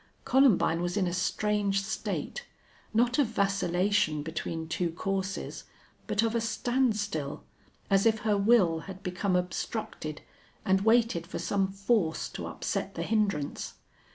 Columbine was in a strange state, not of vacillation between two courses, but of a standstill, as if her will had become obstructed and waited for some force to upset the hindrance.